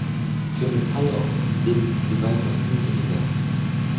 Für Metalloxide liegt sie weitaus niedriger.